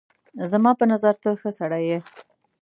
زما په نظر ته ښه سړی یې